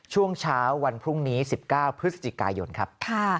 ช่วงเช้าวันพรุ่งนี้๑๙พฤศจิกายนครับ